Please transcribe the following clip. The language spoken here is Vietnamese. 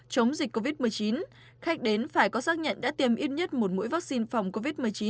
chống dịch covid một mươi chín khách đến phải có xác nhận đã tiêm ít nhất một mũi vaccine phòng covid một mươi chín